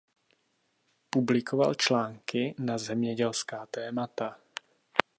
Publikoval články na zemědělská témata.